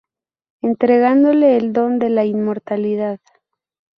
Entregándole el don de la inmortalidad.